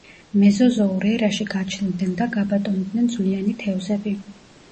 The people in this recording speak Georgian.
მეზოზოურ ერაში გაჩნდნენ და გაბატონდნენ ძვლიანი თევზები.